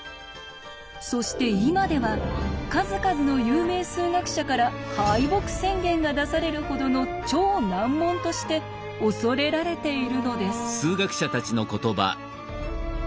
そして今では数々の有名数学者から敗北宣言が出されるほどの超難問として恐れられているのです。